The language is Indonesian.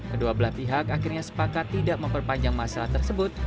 kedua belah pihak akhirnya sepakat tidak memperpanjang masalah tersebut